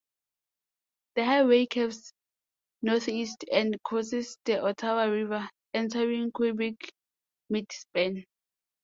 The highway curves northeast and crosses the Ottawa River, entering Quebec midspan.